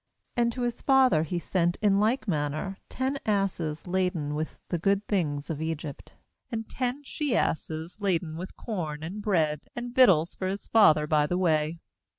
^And to his father he sent in like manner ten asses laden with the good tilings of Egypt, and ten she asses laden with corn and bread and victual for his father by the way.